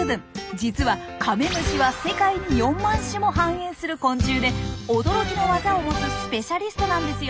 実はカメムシは世界に４万種も繁栄する昆虫で驚きのワザを持つスペシャリストなんですよ。